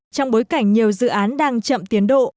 trong bối cảnh nhiều dự án đang chậm tiến độ